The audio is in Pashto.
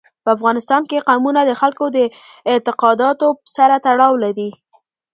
په افغانستان کې قومونه د خلکو د اعتقاداتو سره تړاو لري.